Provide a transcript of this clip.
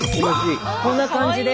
こんな感じで。